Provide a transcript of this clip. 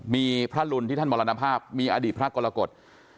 มีพระรุนที่ท่านมรณภาพมีอดีตพระกรกฎ